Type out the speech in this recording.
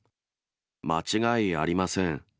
間違いありません。